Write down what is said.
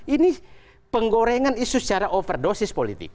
ini penggorengan isu secara overdosis politik